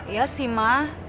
iya sih ma